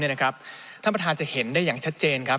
ท่านประธานจะเห็นได้อย่างชัดเจนครับ